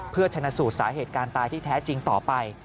เพื่อชนะสูตรสาเหตุการณ์ตายที่แท้จริงต่อไป